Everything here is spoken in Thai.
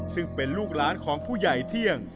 ซึ่งเป็นลูกหลานของผู้ใหญ่เที่ยง